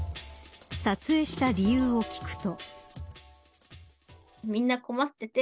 撮影した理由を聞くと。